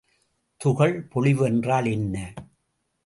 துகள் பொழிவு என்றால் என்ன?